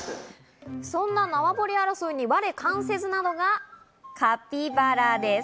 そんな縄張り争いに我関せずなのがカピバラです。